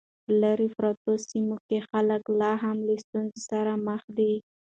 په لیرې پرتو سیمو کې خلک لا هم له ستونزو سره مخ دي.